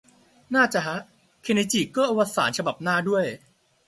น่าจะฮะ เคนอิจิก็อวสานฉบับหน้าด้วย